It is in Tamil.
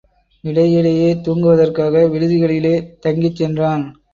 இடையிடையே தூங்குவதற்காக விடுதிகளிலே தங்கிச் சென்றான்.